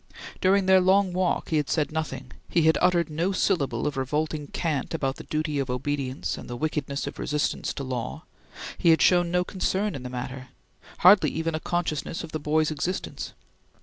During their long walk he had said nothing; he had uttered no syllable of revolting cant about the duty of obedience and the wickedness of resistance to law; he had shown no concern in the matter; hardly even a consciousness of the boy's existence.